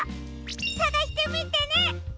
さがしてみてね！